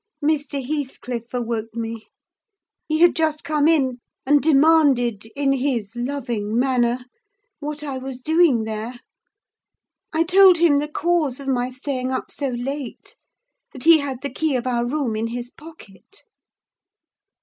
Mr. Heathcliff awoke me; he had just come in, and demanded, in his loving manner, what I was doing there? I told him the cause of my staying up so late—that he had the key of our room in his pocket.